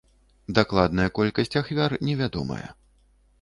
Дакладная колькасць ахвяр невядомая.